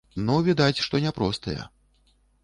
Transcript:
Ну відаць, што не простыя.